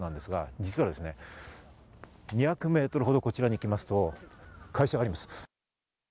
実は２００ｍほど、こちらにきますと会社があります。